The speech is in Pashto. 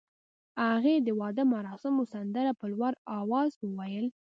هغې د واده مراسمو سندره په لوړ اواز وویل.